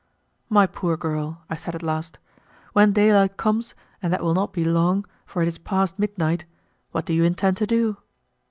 "My poor girl," I said at last, "when daylight comes, and that will not be long, for it is past midnight, what do you intend to do?"